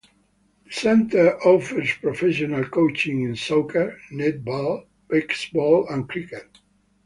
The centre offers professional coaching in soccer, netball, basketball and cricket.